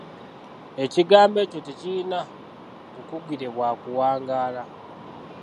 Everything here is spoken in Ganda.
Ekigambo ekyo tekirina bukugire bwa kuwangaala.